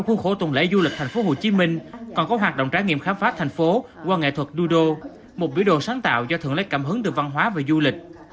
trong khuôn khổ tuần lễ du lịch tp hcm còn có hoạt động trải nghiệm khám phá thành phố qua nghệ thuật dudo một biểu đồ sáng tạo do thượng lấy cảm hứng từ văn hóa và du lịch